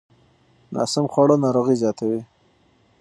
ناسم خواړه ناروغۍ زیاتوي.